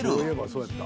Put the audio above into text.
そうやった。